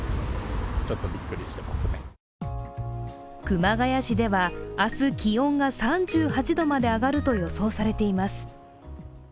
熊谷市では明日、気温が３８度まで上がると予想されています。